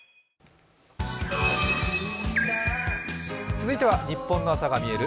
続いては「ニッポンの朝がみえる！